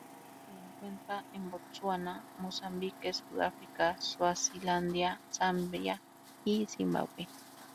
Se lo encuentra en Botsuana, Mozambique, Sudáfrica, Suazilandia, Zambia y Zimbabue.